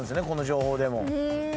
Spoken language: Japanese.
この情報でも。